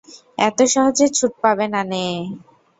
এত সহজে ছুট পাবে নানে।